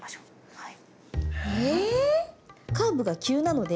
はい。